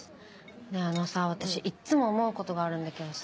あのさ私いっつも思うことがあるんだけどさ。